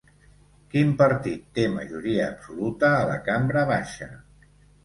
Quin partit té majoria absolta a la cambra baixa?